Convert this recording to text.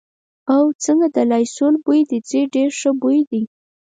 او، څنګه د لایسول بوی دې ځي، ډېر ښه بوی دی.